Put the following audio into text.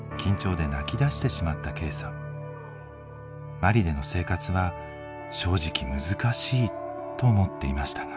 マリでの生活は正直難しいと思っていましたが。